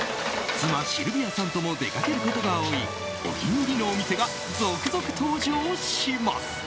妻シルビアさんとも出かけることが多いお気に入りのお店が続々登場します。